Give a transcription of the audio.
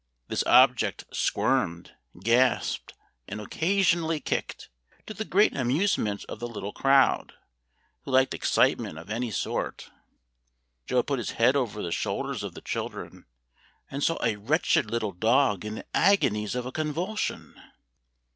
This object squirmed, gasped, and occasionally kicked, to the great amusement of the little crowd, who liked excitement of any sort. Joe put his head over the shoulders of the children, and saw a wretched little dog in the agonies of a convulsion.